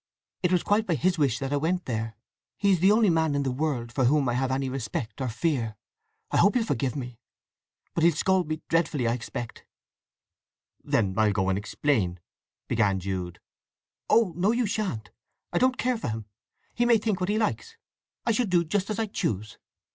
It was quite by his wish that I went there. He is the only man in the world for whom I have any respect or fear. I hope he'll forgive me; but he'll scold me dreadfully, I expect!" "I'll go to him and explain—" began Jude. "Oh no, you shan't. I don't care for him! He may think what he likes—I shall do just as I choose!"